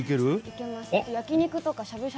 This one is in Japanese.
いけます